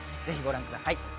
ぜひご覧ください。